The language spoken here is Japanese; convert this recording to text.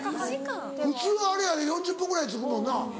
普通あれやで４０分ぐらいで着くもんな。